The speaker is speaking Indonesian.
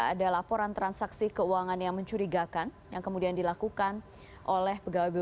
ada laporan transaksi keuangan yang mencurigakan yang kemudian dilakukan oleh pegawai bumn